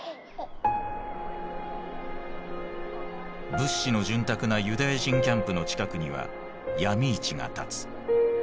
物資の潤沢なユダヤ人キャンプの近くには闇市が立つ。